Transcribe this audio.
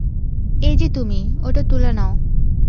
এইযে তুমি, ওটা তুলে নাও।